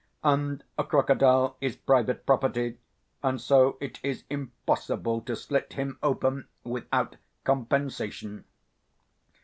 And a crocodile is private property, and so it is impossible to slit him open without compensation."